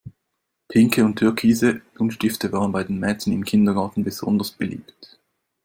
Pinke und türkise Buntstifte waren bei den Mädchen im Kindergarten besonders beliebt.